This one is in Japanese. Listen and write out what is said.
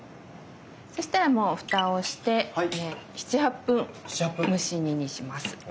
そしたらもうフタをして７８分蒸し煮にします。